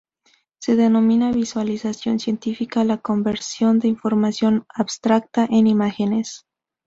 Se denomina visualización científica a la conversión de información abstracta en imágenes.